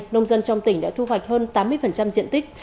nông dân trong tỉnh đã thu hoạch hơn tám mươi diện tích